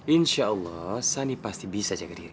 insya allah sani pasti bisa jaga diri